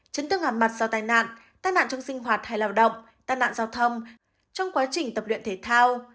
trấn thương hàm mặt do tai nạn tai nạn trong sinh hoạt hay lào động tai nạn giao thông trong quá trình tập luyện thể thao